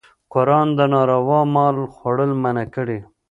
قرآن د ناروا مال خوړل منع کړي.